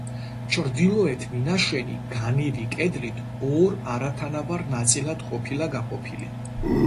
ჩრდილოეთ მინაშენი განივი კედლით ორ არათანაბარ ნაწილად ყოფილა გაყოფილი.